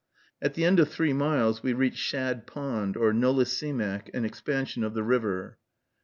At the end of three miles, we reached Shad Pond, or Noliseemack, an expansion of the river.